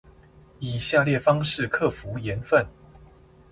以下列方式克服鹽分